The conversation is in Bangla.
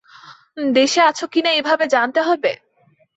দেশে আছো কিনা এভাবে জানতে হবে?